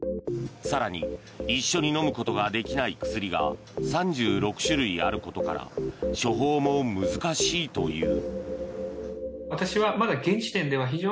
更に一緒に飲むことができない薬が３６種類あることから処方も難しいという。